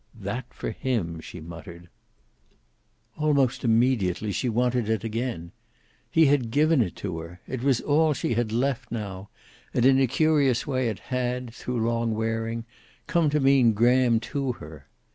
"That for him!" she muttered. Almost immediately she wanted it again. He had given it to her. It was all she had left now, and in a curious way it had, through long wearing, come to mean Graham to her.